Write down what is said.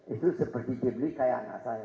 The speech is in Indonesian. itu seperti di beli kayak anak saya